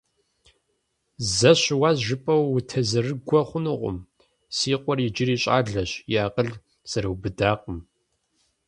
Зэ щыуащ жыпӀэу утезэрыгуэ хъунукъым, си къуэр иджыри щӀалэщ, и акъыл зэрыубыдакъым.